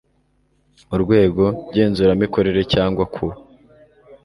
Urwego Ngenzuramikorere cyangwa ku